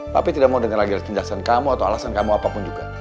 papi tidak mau dengar lagi alasan kamu atau alasan kamu apapun juga